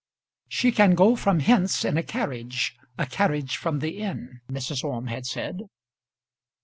"She can go from hence in a carriage a carriage from the inn," Mrs. Orme had said.